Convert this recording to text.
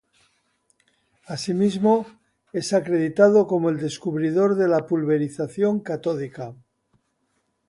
Así mismo, es acreditado como el descubridor de la pulverización catódica.